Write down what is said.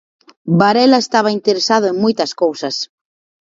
Varela estaba interesado en moitas cousas.